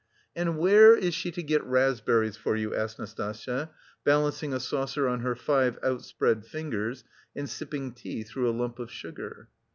"And where is she to get raspberries for you?" asked Nastasya, balancing a saucer on her five outspread fingers and sipping tea through a lump of sugar.